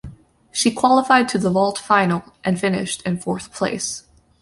She qualified to the vault final and finished in fourth place.